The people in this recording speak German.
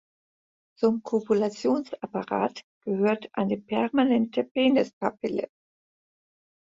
Zum Kopulationsapparat gehört eine permanente Penispapille.